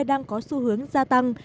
đang có xu hướng gia tăng